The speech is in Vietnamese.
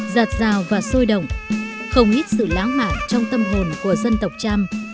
giạt rào và sôi động không ít sự lãng mạn trong tâm hồn của dân tộc trăm